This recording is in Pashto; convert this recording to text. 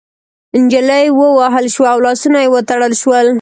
نجلۍ ووهل شوه او لاسونه يې وتړل شول.